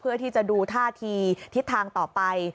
เพื่อที่จะดูท่าทีทิศทางต่อไป